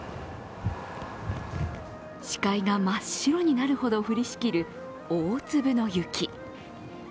視界が真っ白になるほど降りしきる大粒の雪。